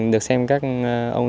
được xem các ông